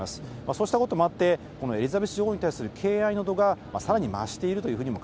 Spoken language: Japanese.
そうしたこともあって、このエリザベス女王に対する敬愛の度がさらに増しているというふ